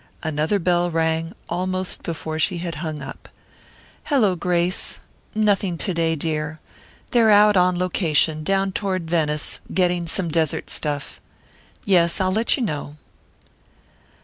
Another bell rang, almost before she had hung up. "Hello, Grace. Nothing to day, dear. They're out on location, down toward Venice, getting some desert stuff. Yes, I'll let you know."